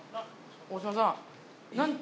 大島さん。